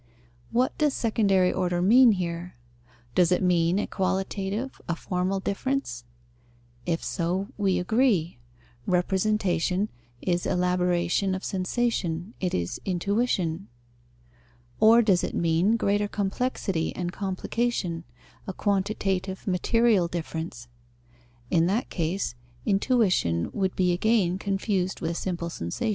What does secondary order mean here? Does it mean a qualitative, a formal difference? If so, we agree: representation is elaboration of sensation, it is intuition. Or does it mean greater complexity and complication, a quantitative, material difference? In that case intuition would be again confused with simple sensation.